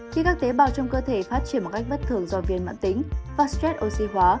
khi các tế bào trong cơ thể phát triển một cách bất thường do viên mạng tính và stress oxy hóa